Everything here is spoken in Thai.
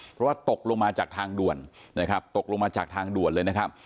เพราะว่าตกลงมาจากทางด่วนนะครับตกลงมาจากทางด่วนเลยนะครับ